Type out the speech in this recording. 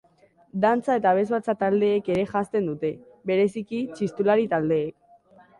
Dantza eta abesbatza taldeek ere janzten dute, bereziki txistulari taldeek.